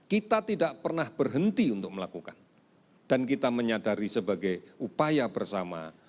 kita tidak pernah berhenti untuk melakukan dan kita menyadari sebagai upaya bersama